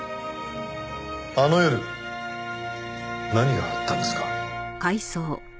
あの夜何があったんですか？